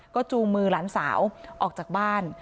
ก็จูงมือหลานสาวออกจากบ้าน